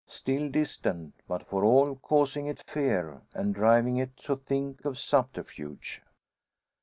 Still distant, but for all causing it fear, and driving it to think of subterfuge.